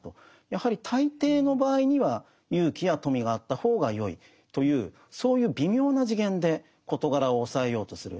やはり大抵の場合には勇気や富があった方がよいというそういう微妙な次元で事柄をおさえようとする。